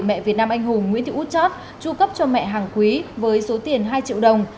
mẹ việt nam anh hùng nguyễn thị út chót tru cấp cho mẹ hàng quý với số tiền hai triệu đồng